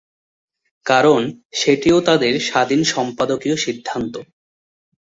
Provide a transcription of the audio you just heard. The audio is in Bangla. কারণ, সেটিও তাদের স্বাধীন সম্পাদকীয় সিদ্ধান্ত।